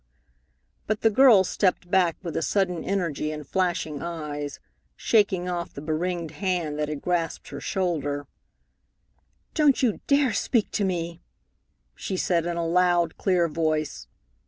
But the girl stepped back with sudden energy and flashing eyes, shaking off the be ringed hand that had grasped her shoulder. "Don't you dare to speak to me!" she said in a loud, clear voice.